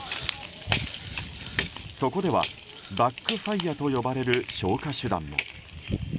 そこではバックファイアと呼ばれる消火手段も。